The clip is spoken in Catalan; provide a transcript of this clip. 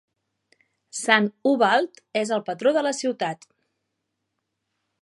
Sant Ubald és el patró de la ciutat.